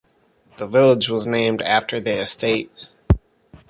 The village was named after the estate.